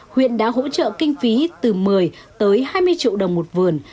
huyện đã hỗ trợ kinh phí từ một mươi tới hai mươi triệu đồng một vườn